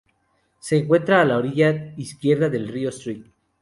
Se encuentra a la orilla izquierda del río St.